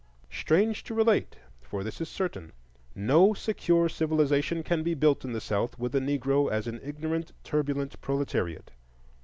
Strange to relate! for this is certain, no secure civilization can be built in the South with the Negro as an ignorant, turbulent proletariat.